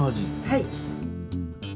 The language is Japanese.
はい。